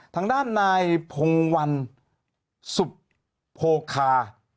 ทางด้านนายพงวันสุโภคา